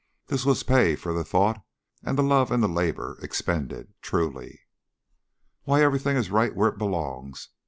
This was pay for the thought and the love and the labor expended, truly. "Why, everything is right where it belongs!